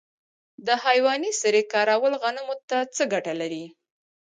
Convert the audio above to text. د حیواني سرې کارول غنمو ته څه ګټه لري؟